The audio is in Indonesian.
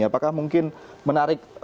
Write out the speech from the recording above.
apakah mungkin menarik lukaku